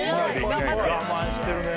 我慢してるね。